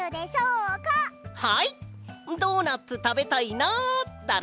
ドーナツたべたいなだろ？